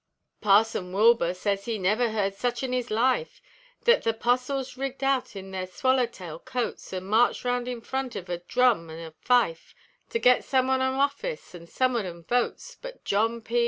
Parson Wilbur sez he never heerd in his life Thet th' Apostles rigged out in their swaller tail coats, An' marched round in front of a drum an' a fife, To git some on 'em office, and some on 'em votes; But John P.